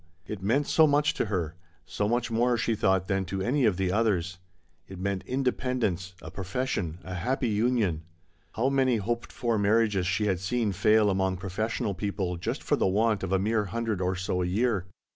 It meant so much to her, so much more she thought than to any of the others. It meant independ ence, a profession, a happy union. How many hoped for marriages she had seen fail among professional people just for the want of a mere hundred or so a year.